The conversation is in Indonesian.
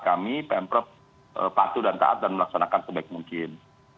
kami pemprov patuh dan taat dan melaksanakan sebaik mungkin